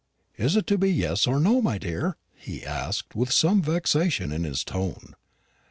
"Is it to be yes, or no, my dear?" he asked, with, some vexation in his tone.